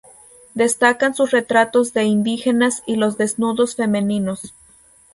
Destacan sus retratos de indígenas y los desnudos femeninos.